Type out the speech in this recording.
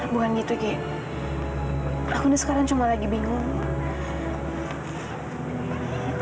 bukan gitu gek aku udah sekarang cuma lagi bingung